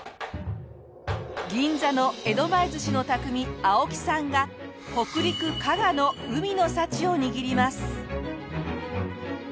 銀座の江戸前寿司の匠青木さんが北陸加賀の海の幸を握ります。